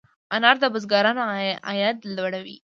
انار د بزګرانو عاید لوړوي.